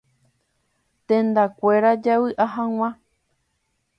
Tendakuéra javy'a hag̃ua.